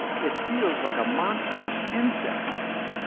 It feels like a monstrous insect!!